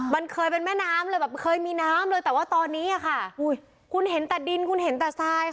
มันเคยเป็นแม่น้ำเลยเคยมีน้ำเลยแต่ว่าตอนนี้คุณเห็นแต่ดินคุณเห็นแต่ทราย